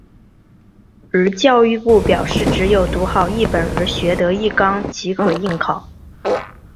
而教育部表示只要读好一本而学得一纲即可应考。